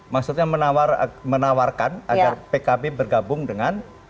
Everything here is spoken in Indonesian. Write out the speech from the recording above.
maksudnya menawarkan agar pkb bergabung dengan